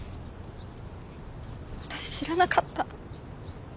私知らなかった。